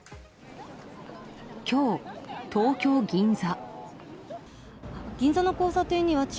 今日、東京・銀座。